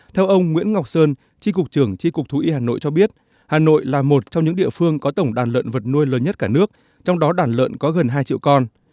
theo ông nguyễn ngọc sơn tri cục trưởng tri cục thú y hà nội cho biết hà nội là một trong những địa phương có tổng đàn lợn vật nuôi lớn nhất cả nước trong đó đàn lợn có gần hai triệu con